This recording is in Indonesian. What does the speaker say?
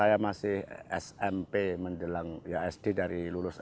saya masih smp mendelang ya sd dari lulus sd